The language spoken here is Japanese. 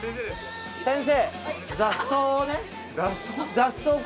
先生